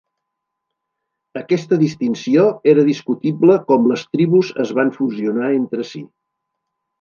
Aquesta distinció era discutible com les tribus es van fusionar entre si.